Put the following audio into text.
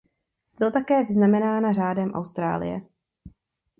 Byla také vyznamenána Řádem Austrálie.